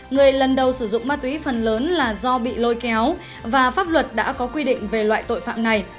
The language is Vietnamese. người lần đầu sử dụng ma túy phần lớn là do bị lôi kéo và pháp luật đã có quy định về loại tội phạm này